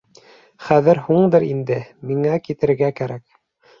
Хәҙер һуңдыр инде, миңә китергә кәрәк